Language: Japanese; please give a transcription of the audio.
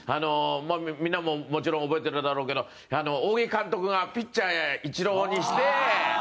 みんなももちろん覚えてるだろうけど仰木監督がピッチャー、イチローにして。